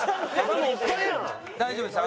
大丈夫です。